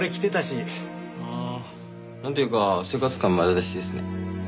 ああなんていうか生活感丸出しですね。